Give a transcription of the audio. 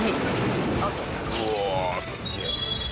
うわすげえ。